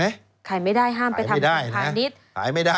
แบบนี้ขายไม่ได้ห้ามไปทำเป็นกลุ่มพาวนิดครับขายไม่ได้นะ